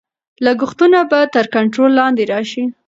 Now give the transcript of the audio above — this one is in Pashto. لګښتونه به تر کنټرول لاندې راشي.